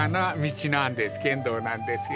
県道なんですよ。